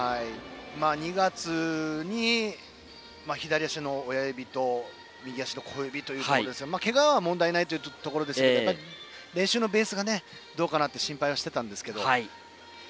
２月に左足の親指と右足の小指ということでけがは問題ないというところですけど練習のベースがどうかなと心配はしてたんですけど。